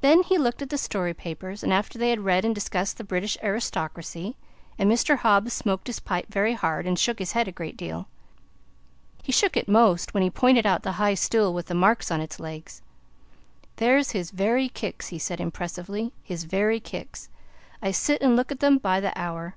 Then he looked at the story papers, and after that they read and discussed the British aristocracy; and Mr. Hobbs smoked his pipe very hard and shook his head a great deal. He shook it most when he pointed out the high stool with the marks on its legs. "There's his very kicks," he said impressively; "his very kicks. I sit and look at 'em by the hour.